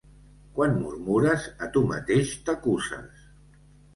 Quan murmures, a tu mateix t'acuses.